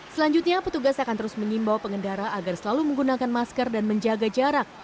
selanjutnya petugas akan terus mengimbau pengendara agar selalu menggunakan masker dan menjaga jarak